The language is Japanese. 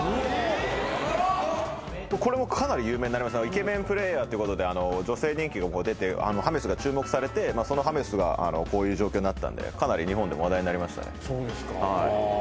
イケメンプレーヤーっていうことで女性人気が出てハメスが注目されてそのハメスがこういう状況になったんでかなり日本でも話題になりましたね。